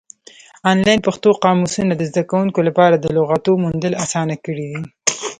آنلاین پښتو قاموسونه د زده کوونکو لپاره د لغاتو موندل اسانه کړي دي.